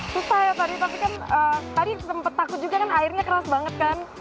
susah ya tadi tapi kan tadi sempat takut juga kan airnya keras banget kan